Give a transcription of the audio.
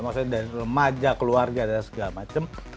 maksudnya dari remaja keluarga segala macem